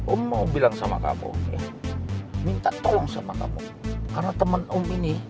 om mau bilang sama kamu minta tolong sama kamu karena temen om ini